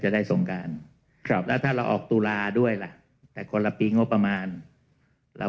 ได้สงการครับแล้วถ้าเราออกตุลาด้วยล่ะแต่คนละปีงบประมาณเรา